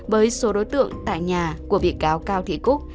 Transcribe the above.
với số đối tượng tại nhà của bị cáo cao thị cúc